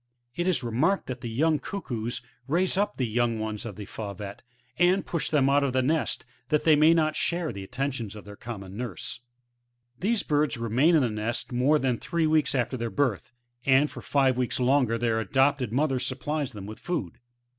It is remarked that the young Cuckoos raise up the young ones of the Fauvette, and push them 6ut of the nest, that they may not share the attentions of their common nurse. These birds remain in the nest more than three weeks after their birth, and for five weeks longer their adopted mother supplies them with food.